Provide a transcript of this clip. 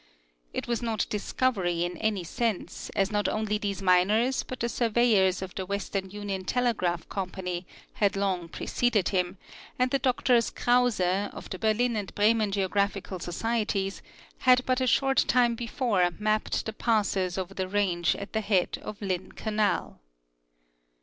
It was not discovery in any sense, as not only these miners but the surveyors of the Western Union Telegraph Company had long preceded him, and the Drs Krause, of the Berlin and Bremen Geographical Societies, had but a short time before mapped the passes over the range at the head of Lynn canal.